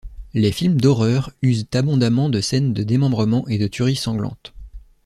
Les films d'horreur usent abondamment de scènes de démembrement et de tueries sanglantes.